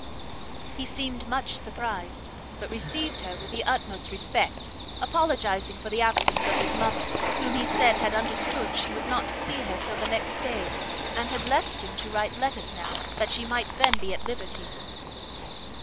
He seemed much surprised, but received her with the utmost respect, apologizing for the absence of his mother, whom he said had understood she was not to see her till the next day, and had left him to write letters now, that she might then be at liberty.